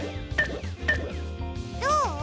どう？